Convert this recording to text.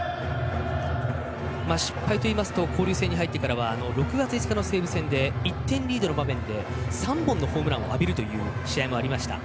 失敗といいますと交流戦に入ってからは６月５日の西武戦で１点リードの場面で３本のホームランを浴びるという試合もありました。